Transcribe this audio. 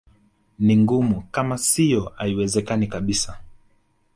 Ni ngumu kama sio haiwezekani kabisa